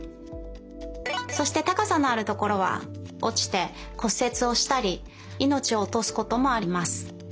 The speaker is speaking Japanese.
そしてたかさのあるところはおちてこっせつをしたりいのちをおとすこともあります。